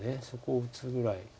そこを打つぐらい。